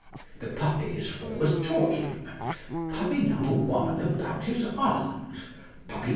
The Puppies fall a talking: Puppy No. 1 about his art, Puppy No.